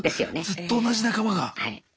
ずっと同じ仲間が。